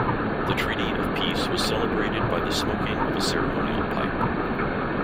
The Treaty of the Peace was celebrated by the smoking of a ceremonial pipe.